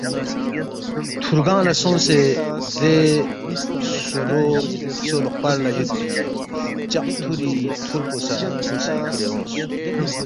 تھُور کھنگ لہ سونگسے دے سو لوقپر لہ یودپی ہلچق تھُوری تھُور پو سہ کھو سی کھُورے اونگس